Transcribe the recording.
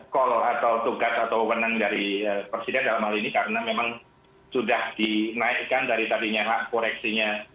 kalau ada tugas atau kemenangan dari presiden dalam hal ini karena memang sudah dinaikkan dari tadinya lah koreksinya